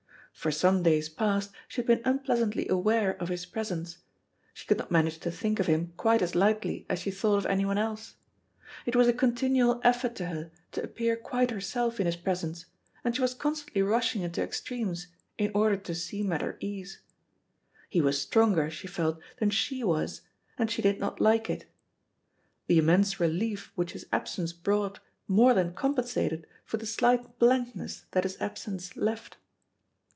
For some days past she had been unpleasantly aware of his presence. She could not manage to think of him quite as lightly as she thought of anyone else. It was a continual effort to her to appear quite herself in his presence, and she was constantly rushing into extremes in order to seem at her ease. He was stronger, she felt, than she was, and she did not like it. The immense relief which his absence brought more than compensated for the slight blankness that his absence left.